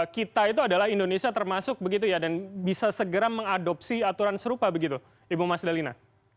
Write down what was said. kita itu adalah indonesia termasuk begitu ya dan bisa segera mengadopsi aturan serupa begitu ibu mas dalina